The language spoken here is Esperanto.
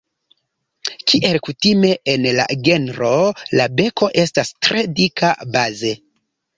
Kiel kutime en la genro, la beko estas tre dika baze.